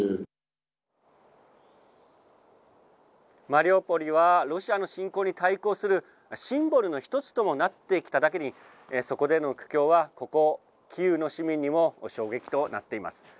マリウポリはロシアの侵攻に対抗するシンボルの一つともなってきただけにそこでの苦境はここ、キーウの市民にも衝撃となっています。